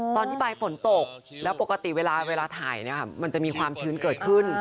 ตอนที่ไปฝนตกแล้วปกติเวลาถ่ายมันจะมีความชื้นเกิดขึ้น